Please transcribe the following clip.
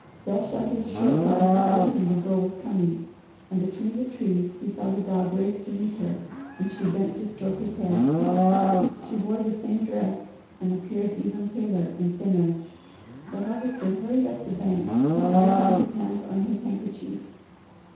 Belshazzar's short bark told him the Girl was coming, and between the trees he saw the dog race to meet her and she bent to stroke his head. She wore the same dress and appeared even paler and thinner. The Harvester hurried up the bank, wiping his hands on his handkerchief.